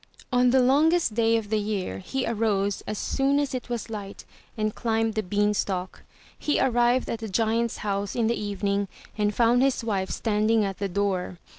On the longest day of the year he arose as soon as it was light and climbed the beanstalk. He arrived at the giant's house in the evening and found his wife standing at the door.